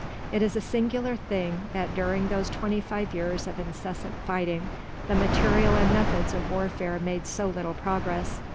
It is a singular thing that during those twenty five years of incessant fighting the material and methods of warfare made so little progress.